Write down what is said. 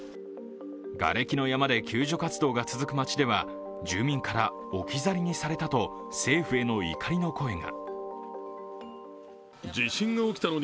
がれきの山で救助活動が続く町では住民から置き去りにされたと政府への怒りの声が。